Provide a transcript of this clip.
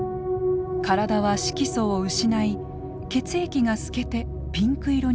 体は色素を失い血液が透けてピンク色に見えます。